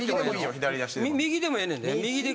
右でもええねんで。